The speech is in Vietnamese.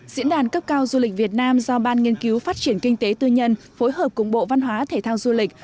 diễn đàn cấp cao du lịch việt nam do ban nghiên cứu phát triển kinh tế tư nhân phối hợp cùng bộ văn hóa thể thao du lịch